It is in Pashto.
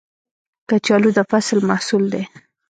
کچالو د فصل محصول دی